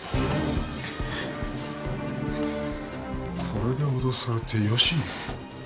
これで脅されて吉野を？